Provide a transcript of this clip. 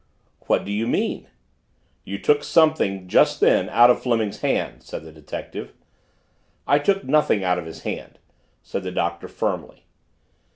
"What do you mean?" "You took something, just then, out of Fleming's hand," said the detective. "I took nothing out of his hand," said the Doctor firmly.